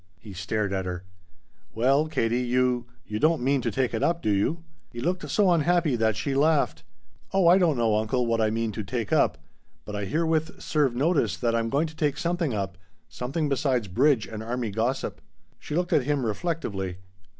He stared at her. "Well, Katie, you you don't mean to take it up, do you?" He looked so unhappy that she laughed. "Oh I don't know, uncle, what I mean to 'take up,' but I herewith serve notice that I'm going to take something up something besides bridge and army gossip." She looked at him reflectively.